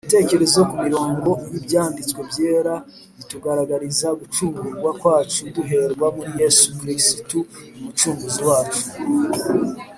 ibitekerezo ku mirongo y Ibyanditswe byera bitugaragariza gucungurwa kwacu duherwa muri Yesu kirisitu umucunguzi wacu.